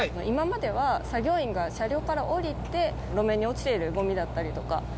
今までは作業員が車両から降りて路面に落ちているゴミだったりとか。